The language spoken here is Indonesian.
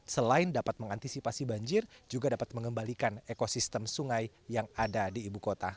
selain dapat mengantisipasi banjir juga dapat mengembalikan ekosistem sungai yang ada di ibu kota